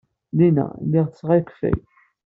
Llinna, lliɣ ttesseɣ akeffay.